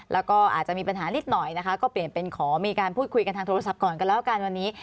แล้วก็อาจจะมีปัญหานิดหน่อยนะคะก็เปลี่ยนเป็นขอมีการพูดคุยกันทางโทรศัพท์ก่อนกันแล้วกันวันนี้